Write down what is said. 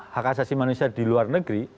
hak asasi manusia di luar negeri